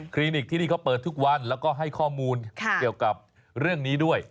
นิกที่นี่เขาเปิดทุกวันแล้วก็ให้ข้อมูลเกี่ยวกับเรื่องนี้ด้วย